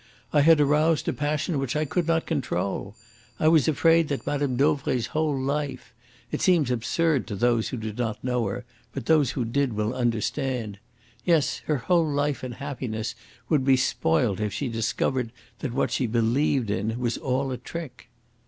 I had aroused a passion which I could not control. I was afraid that Mme. Dauvray's whole life it seems absurd to those who did not know her, but those who did will understand yes, her whole life and happiness would be spoilt if she discovered that what she believed in was all a trick."